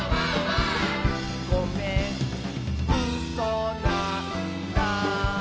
「ごめんうそなんだ」